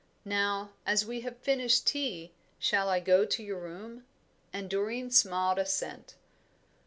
Now, as we have finished tea, shall I go to your room?" And Doreen smiled assent.